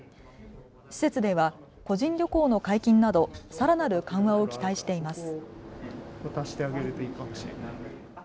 施設では個人旅行の解禁などさらなる緩和を期待しています。